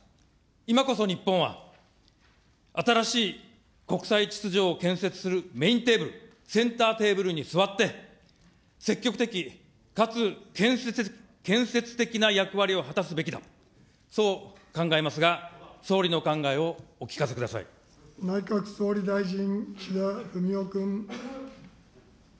今こそ日本は、新しい国際秩序を建設するメインテーブル、センターテーブルに座って、積極的かつ建設的な役割を果たすべきだと、そう考えますが、内閣総理大臣、岸田文雄君。